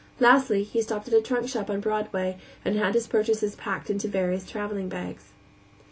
Lastly, he stopped at a trunk shop on Broadway and had his purchases packed into various traveling bags.